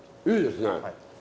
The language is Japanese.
いいですね！